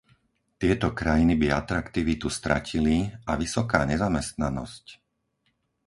Tieto krajiny by atraktivitu stratili, a vysoká nezamestnanosť...